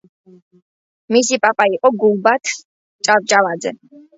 მისი პაპა იყო გულბაათ ჭავჭავაძე.